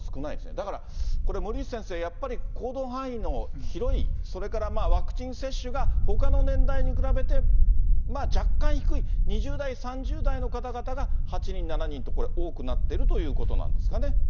だから、これ、森内先生、やっぱり行動範囲の広い、それからワクチン接種がほかの年代に比べて、若干低い、２０代、３０代の方々が８人、７人とこれ、多くなっているということなんですかね。